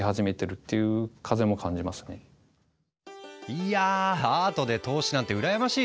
いやアートで投資なんて羨ましいよね。